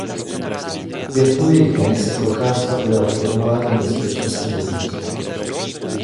V květnových dnech se Procházka ujal formování bezpečnostních jednotek.